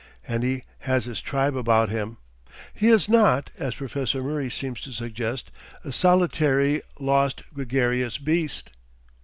And he has his tribe about him. He is not, as Professor Murray seems to suggest, a solitary LOST gregarious beast.